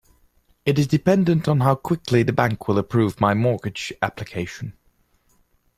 It is dependent on how quickly the bank will approve my mortgage application.